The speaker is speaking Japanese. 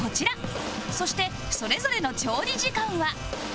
そしてそれぞれの調理時間は